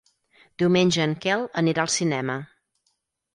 Diumenge en Quel anirà al cinema.